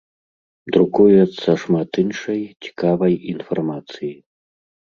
Друкуецца шмат іншай цікавай інфармацыі.